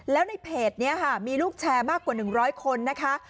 แล้วในเพจนี้ค่ะมีลูกแชร์มากกว่า๑๐๐คนนะคะ